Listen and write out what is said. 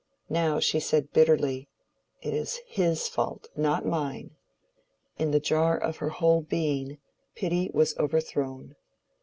Now she said bitterly, "It is his fault, not mine." In the jar of her whole being, Pity was overthrown.